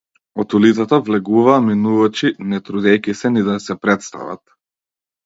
Од улицата влегуваа минувачи, не трудејќи се ни да се претстават.